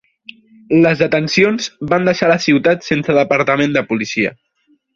Les detencions van deixar la ciutat sense Departament de policia.